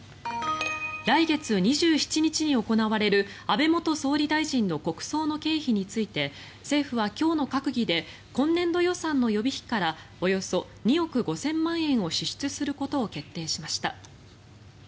来月２７日に行われる安倍元総理大臣の国葬の経費について政府は今日の閣議で今年度予算の予備費からおよそ２億５０００万円を支出することを決定しました。